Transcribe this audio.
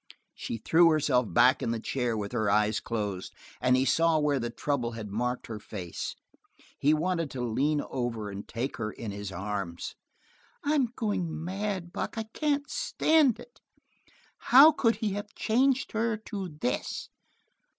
She threw herself back in the chair with her eyes closed, and he saw where the trouble had marked her face. He wanted to lean over and take her in his arms. "I'm going mad, Buck. I can't stand it. How could he have changed her to this?"